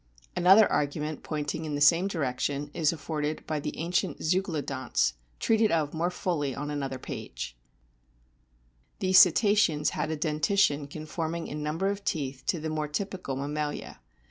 Another argument pointing in the same direction is afforded by the ancient Zeuglodonts, treated of more fully on another page. (See p. 308.) These Cetaceans had a dentition conforming in O number of teeth to the more typical mammalia.